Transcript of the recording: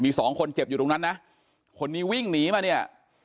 มีสองคนเจ็บอยู่ตรงนั้นนะคนนี้วิ่งหนีมาเนี่ย